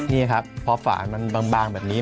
นี่ครับพอผ่าบางแบบนี้